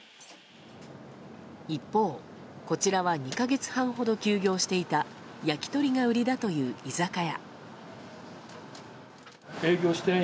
一方、こちらは２か月半ほど休業していた焼き鳥が売りだという居酒屋。